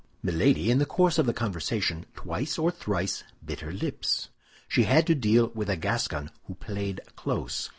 Milady in the course of the conversation twice or thrice bit her lips; she had to deal with a Gascon who played close.